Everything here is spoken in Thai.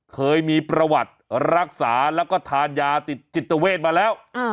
เคยมีประวัติรักษาแล้วก็ทานยาติดจิตเวทมาแล้ว